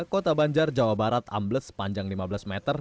kota banjar jawa barat amplus panjang lima belas meter